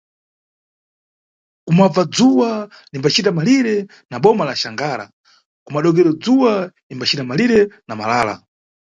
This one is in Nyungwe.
Kumabva dzuwa limbacita malire na boma la Xangara kumadokero dzuwa imbacita malire na Malala.